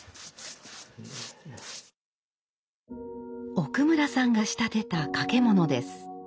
奥村さんが仕立てた掛物です。